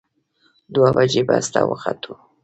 دوه بجې بس ته وختو.